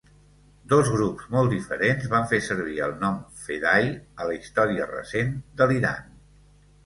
Dos grups molt diferents van fer servir el nom "fedaí" a la història recent de l'Iran.